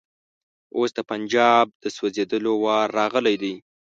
اوس د پنجاب د سوځېدلو وار راغلی دی.